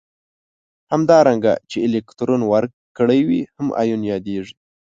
همدارنګه چې الکترون ورکړی وي هم ایون یادیږي.